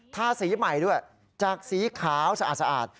ทาสีใหม่ด้วยจากสีขาวสะอาด